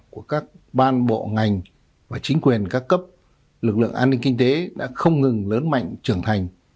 của các ban bộ ngành và chính quyền các cấp lực lượng an ninh kinh tế đã không ngừng lớn mạnh trưởng thành